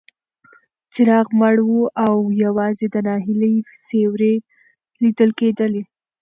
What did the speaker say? څراغ مړ و او یوازې د ناهیلۍ سیوري لیدل کېدل.